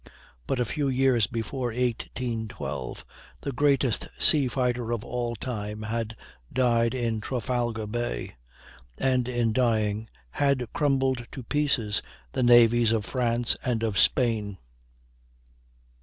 But a few years before 1812, the greatest sea fighter of all time had died in Trafalgar Bay, and in dying had crumbled to pieces the navies of France and of Spain.